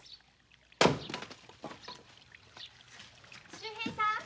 秀平さん。